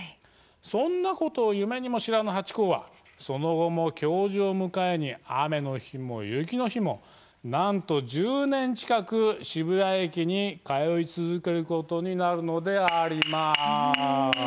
そんなことを夢にも知らぬハチ公は、その後も教授を迎えに雨の日も雪の日もなんと１０年近く渋谷駅に通い続けることになるのであります。